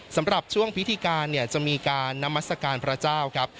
สำหรับช่วงพิธีการจะมีการนามัสกาลพระเจ้า